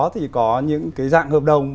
thì có những cái dạng hợp đồng